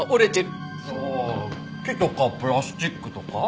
じゃあ木とかプラスチックとか？